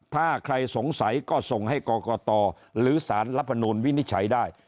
ถ้าใครสงสัยก็ส่งให้กรกตหรือสารรัฐมนูลวินิจฉัยได้